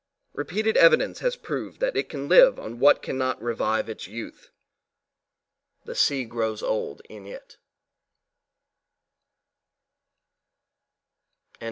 Repeated evidence has proved that it can live on what cannot revive its youth. The sea grows old in it.